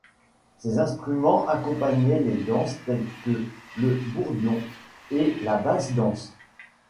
Ces instruments accompagnaient les danses telles que le tourdion et la basse danse.